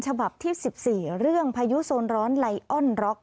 ฉบับที่๑๔เรื่องพายุโซนร้อนไลออนร็อก